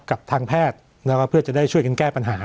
กับทางแพทย์เพื่อจะได้ช่วยกันแก้ปัญหา